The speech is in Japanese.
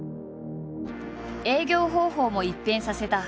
営業方法も一変させた。